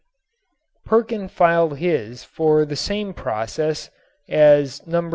Perkin filed his for the same process as No.